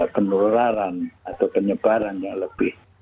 penularan atau penyebaran yang lebih